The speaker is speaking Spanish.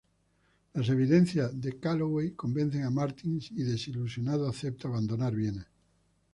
Las evidencias de Calloway convencen a Martins y, desilusionado, acepta abandonar Viena.